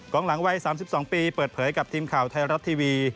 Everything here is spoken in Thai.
หลังวัย๓๒ปีเปิดเผยกับทีมข่าวไทยรัฐทีวี